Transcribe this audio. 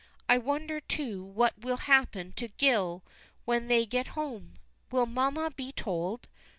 I wonder too what will happen to Gil when they get home? Will mamma be told?